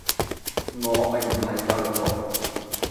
我並唔係教育局